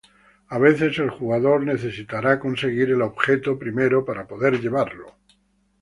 A veces el jugador necesitará conseguir el objeto primero para poder llevarlo.